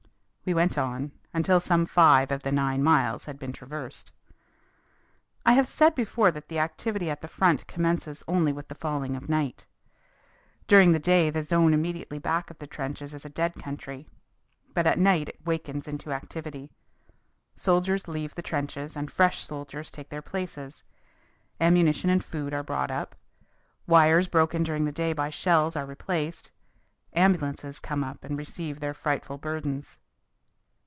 We went on, until some five of the nine miles had been traversed. I have said before that the activity at the front commences only with the falling of night. During the day the zone immediately back of the trenches is a dead country. But at night it wakens into activity. Soldiers leave the trenches and fresh soldiers take their places, ammunition and food are brought up, wires broken during the day by shells are replaced, ambulances come up and receive their frightful burdens.